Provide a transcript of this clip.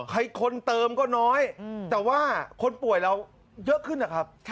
คนเติมก็น้อยแต่ว่าคนป่วยเราเยอะขึ้นนะครับ